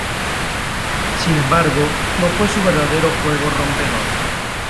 Sin embargo, no fue su verdadero juego rompedor.